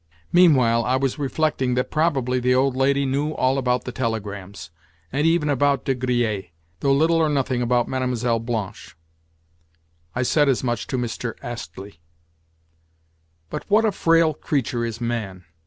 Meanwhile I was reflecting that probably the old lady knew all about the telegrams, and even about De Griers, though little or nothing about Mlle. Blanche. I said as much to Mr. Astley. But what a frail creature is man!